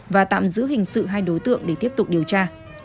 và tạm giữ hình sự hai đối tượng để tiếp tục điều tra